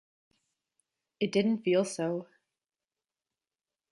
It didn't feel so.